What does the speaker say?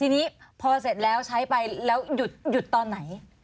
ทีนี้พอเสร็จแล้วใช้ไปแล้วหยุดตอนไหน